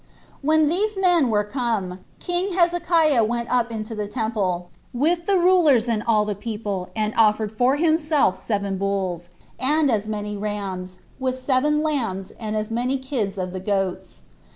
3. When these men were come, king Hezekiah went up into the temple, with the rulers and all the people, and offered for himself seven bulls, and as many rams, with seven lambs, and as many kids of the goats.